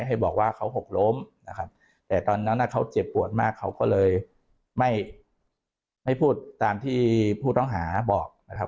ให้บอกว่าเขาหกล้มนะครับแต่ตอนนั้นเขาเจ็บปวดมากเขาก็เลยไม่พูดตามที่ผู้ต้องหาบอกนะครับ